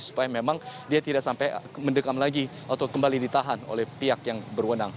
supaya memang dia tidak sampai mendekam lagi atau kembali ditahan oleh pihak yang berwenang